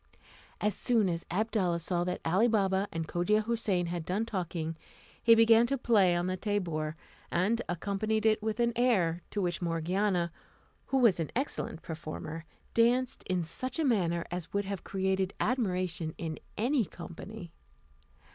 As soon as Abdalla saw that Ali Baba and Cogia Houssain had done talking, he began to play on the tabour, and accompanied it with an air, to which Morgiana, who was an excellent performer, danced in such a manner as would have created admiration in any company.